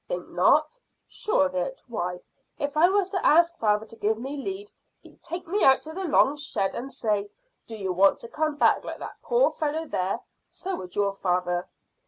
"Think not?" "Sure of it. Why, if I was to ask father to give me leave he'd take me out to the long shed and say, Do you want to come back like that poor fellow there? So would your father."